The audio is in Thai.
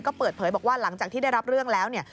ก็เปิดเผยบอกว่าหลังจากที่ได้รับเรื่องแล้วเนี่ย